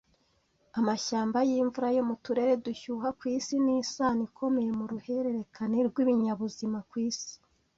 Amashyamba yimvura yo mu turere dushyuha ku isi ni isano ikomeye mu ruhererekane rw’ibinyabuzima ku isi